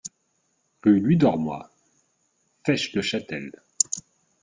Rue Louis Dormoy, Fesches-le-Châtel